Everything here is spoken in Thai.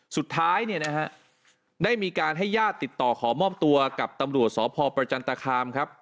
สุดท้ายเนี่ยนะฮะได้มีการให้ญาติติดต่อขอมอบตัวกับตำรวจสพประจันตคามครับ